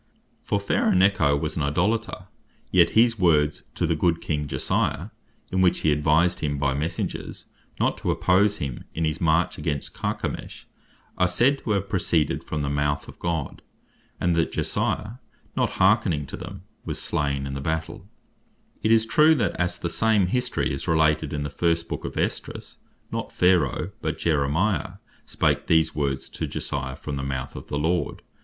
For Pharaoh Necho was an Idolator; yet his Words to the good King Josiah, in which he advised him by Messengers, not to oppose him in his march against Carchemish, are said to have proceeded from the mouth of God; and that Josiah not hearkning to them, was slain in the battle; as is to be read 2 Chron. 35. vers. 21,22,23. It is true, that as the same History is related in the first book of Esdras, not Pharaoh, but Jeremiah spake these words to Josiah, from the mouth of the Lord.